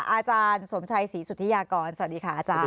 อาจารย์สมชัยศรีสุธิยากรสวัสดีค่ะอาจารย์